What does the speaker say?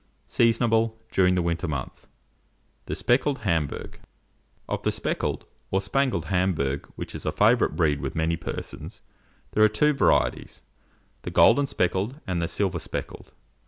Seasonable during the winter month. [Illustration: SPECKLED HAMBURGS.] THE SPECKLED HAMBURG. Of the speckled, or spangled Hamburg which is a favourite breed with many persons, there are two varieties, the golden speckled and the silver speckled.